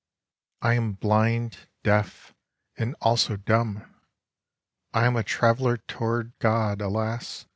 *' I am blind, deaf, and also dumb ; I am a traveller toward God, alas